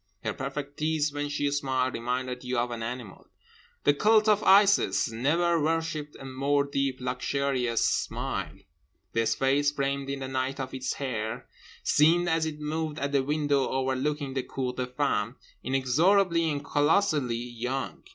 Her perfect teeth, when she smiled, reminded you of an animal. The cult of Isis never worshipped a more deep luxurious smile. This face, framed in the night of its hair, seemed (as it moved at the window overlooking the cour des femmes) inexorably and colossally young.